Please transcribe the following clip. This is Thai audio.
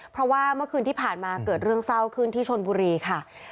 เพราะว่าเมื่อคืนที่ผ่านมาเกิดเรื่องเศร้าขึ้นที่ชนบุรีค่ะ